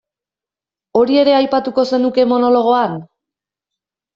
Hori ere aipatuko zenuke monologoan?